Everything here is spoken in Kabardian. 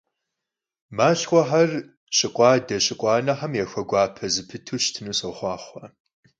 Malhxhexer şıkhu ade - şıkhu anexem yaxueguape zepıtu şıtınu soxhuaxhue!